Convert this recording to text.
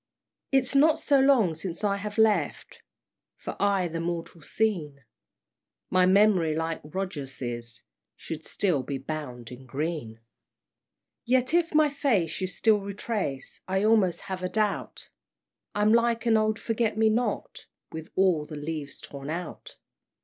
"It's not so long since I have left For aye the mortal scene; My memory like Rogers's Should still be bound in green! "Yet if my face you still retrace, I almost have a doubt I'm like an old Forget me not, With all the leaves torn out!